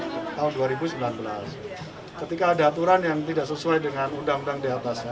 ppdb mengatakan ketika ada aturan yang tidak sesuai dengan undang undang diatasnya